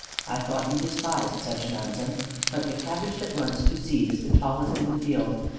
I thought you despised such nonsense. But the cabbage that runs to seed is the tallest in the field.